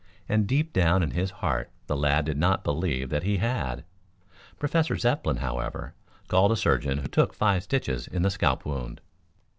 And deep down in his heart the lad did not believe that he had. Professor Zepplin, however, called a surgeon, who took five stitches in the scalp wound.